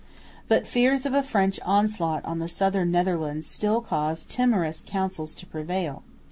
But fears of a French onslaught on the southern Netherlands still caused timorous counsels to prevail.